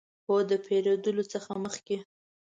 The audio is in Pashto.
هو، د پیرودلو څخه مخکې